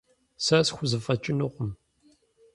Сэ схузэфэкӏынукъым.